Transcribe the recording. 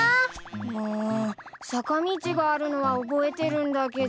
うん坂道があるのは覚えてるんだけど。